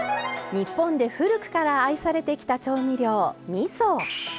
日本で古くから愛されてきた調味料みそ。